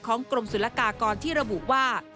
กรมศุลกากรที่ระบุว่า